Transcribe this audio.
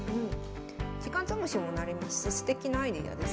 時間潰しにもなりますしすてきなアイデアですよね。